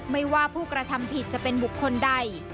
ไม่ว่าผู้กระทำผิดจะเป็นบุคคลใด